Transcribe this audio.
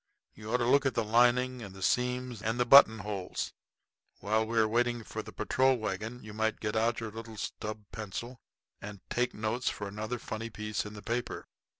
You ought to look at the lining and seams and the button holes. While we are waiting for the patrol wagon you might get out your little stub pencil and take notes for another funny piece in the paper."